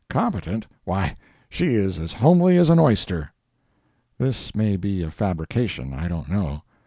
"Competent!—why she is as homely as an oyster!" This may be a fabrication—I don't know.